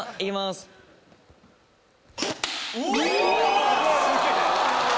すっげえ！